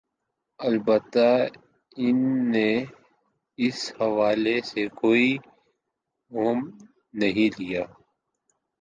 البتہ ان نے اس حوالہ سے کوئی م نہیں لیا